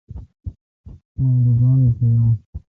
مہ الوگان بھویون